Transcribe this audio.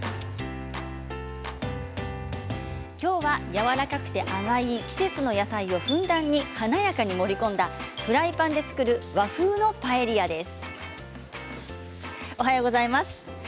きょうはやわらかくて甘い季節の野菜をふんだんに華やかに盛り込んだフライパンで作る和風のパエリアです。